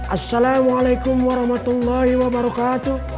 assalamualaikum warahmatullahi wabarakatuh